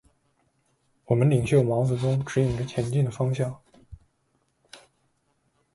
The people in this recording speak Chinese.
我们领袖毛泽东，指引着前进的方向。